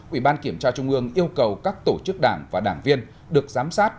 ủy ban kiểm tra trung ương yêu cầu các tổ chức đảng và đảng viên được giám sát